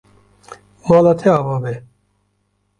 Mala te ava be.